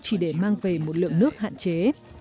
chỉ để mang về một lượng nước hạn chế